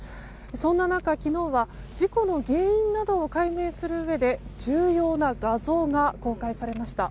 そんな中、昨日は事故の原因などを解明するうえで重要な画像が公開されました。